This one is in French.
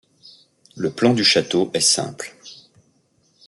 Le plan du château est simple.